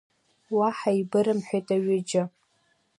Уаҳа еибырымҳәеит аҩыџьа.